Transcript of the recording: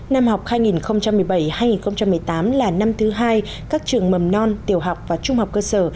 năm học hai nghìn một mươi bảy hai nghìn một mươi tám là năm thứ hai các trường mầm non tiểu học và trung học cơ sở